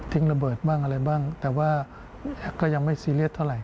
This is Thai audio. ระเบิดบ้างอะไรบ้างแต่ว่าก็ยังไม่ซีเรียสเท่าไห